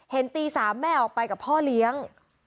ตี๓แม่ออกไปกับพ่อเลี้ยง